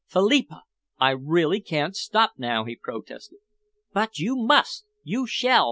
"Philippa, I really can't stop now," he protested. "But you must! You shall!"